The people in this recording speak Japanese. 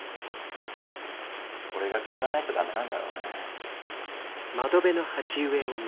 俺が変わらないとダメなんだろうね。